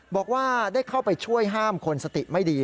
บอกว่าได้เข้าไปช่วยห้ามคนสติไม่ดี